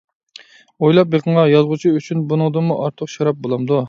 ئويلاپ بېقىڭا: يازغۇچى ئۈچۈن بۇنىڭدىنمۇ ئارتۇق شەرەپ بولامدۇ؟ !